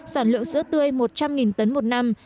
sản lượng sữa tươi một trăm linh tấn một năm